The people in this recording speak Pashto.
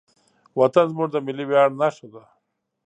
وطن زموږ د ملي ویاړ نښه ده.